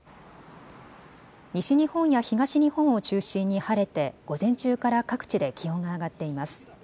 西日本や東日本を中心に晴れて午前中から各地で気温が上がっています。